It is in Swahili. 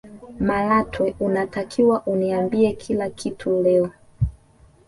malatwe unatakiwa uniambie kila kitu leo